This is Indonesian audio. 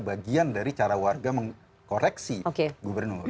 bagian dari cara warga mengkoreksi gubernur